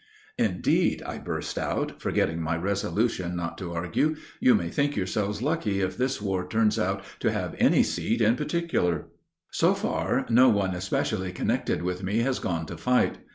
"Indeed," I burst out, forgetting my resolution not to argue, "you may think yourselves lucky if this war turns out to have any seat in particular." So far, no one especially connected with me has gone to fight.